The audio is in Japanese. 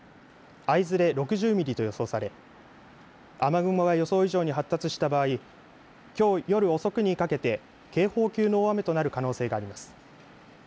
会津で６０ミリと予想され雨雲が予想以上に発達した場合きょう夜遅くにかけて警報級の大雨となる可能性があります。